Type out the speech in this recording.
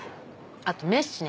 あとメッシね。